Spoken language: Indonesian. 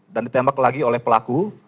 dan ditembak lagi oleh pelaku